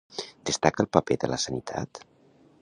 Destaca el paper de la sanitat?